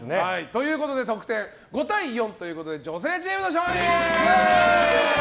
得点、５対４ということで女性チームの勝利！